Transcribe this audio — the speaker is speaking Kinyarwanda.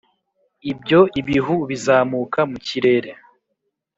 . Ibyo ibihu bizamuka mu kirere